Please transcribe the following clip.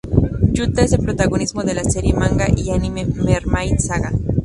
Yuta es el protagonista de la serie manga y anime Mermaid Saga.